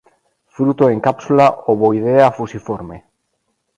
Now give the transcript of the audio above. Fruto en cápsula ovoidea-fusiforme.